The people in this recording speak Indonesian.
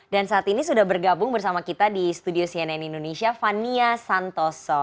dan saat ini sudah bergabung bersama kita di studio cnn indonesia fania santoso